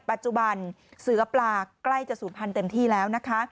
ปัจจุบันเสือปลาใกล้จะศูนย์พันธุ์เต็มที่แล้วนะคะ